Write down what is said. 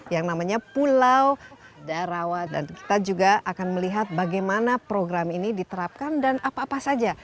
yang namanya pulau darawa dan kita juga akan melihat bagaimana program ini diterapkan dan apa apa saja